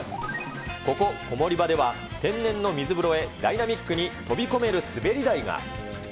ここ、コモリバでは、天然の水風呂へダイナミックに飛び込める滑り台が。